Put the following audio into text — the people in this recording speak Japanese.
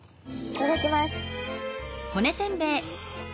いただきます。